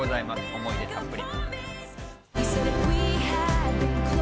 思い入れたっぷり。